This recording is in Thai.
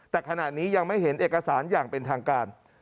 แต่ขณะนี้ยังไม่เห็นเอกสารอย่างเป็นทางการ